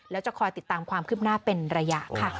แล้วจะคอยติดตามความคืบหน้าเป็นระยะค่ะ